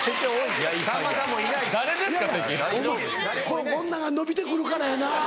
こんなんが伸びて来るからやな。